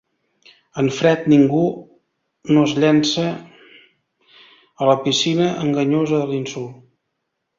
En fred, ningú no es llança a la piscina enganyosa de l'insult.